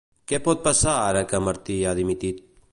Què pot passar ara que Martí ha dimitit?